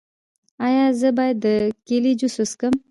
ایا زه باید د کیلي جوس وڅښم؟